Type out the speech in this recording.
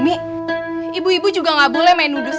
ibu ibu juga gak boleh main nudus